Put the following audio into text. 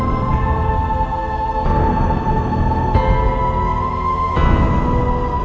mereka sudah selesai deepest sih